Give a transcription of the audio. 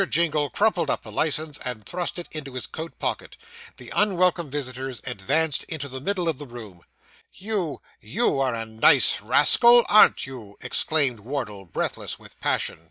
Jingle crumpled up the licence, and thrust it into his coat pocket. The unwelcome visitors advanced into the middle of the room. 'You you are a nice rascal, arn't you?' exclaimed Wardle, breathless with passion.